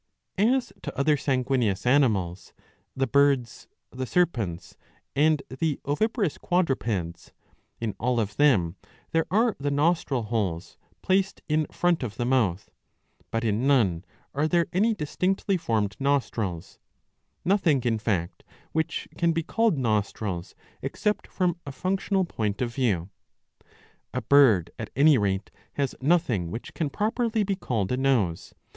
As to other sanguineous animals, the Birds, the Serpents and the oviparous quadrupeds, in all of them there are the nostril holes, placed in front of the mouth ; but in none are there any 659 b. 52 ii. i6. distinctly formed nostrils, nothing in fact which can be called nostrils except from a functional point of view. A bird at any. rate has nothing which can properly be called a nose.